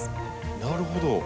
なるほど。